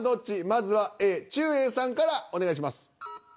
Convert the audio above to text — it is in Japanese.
まずはＡちゅうえいさんからお願いします。